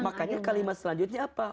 makanya kalimat selanjutnya apa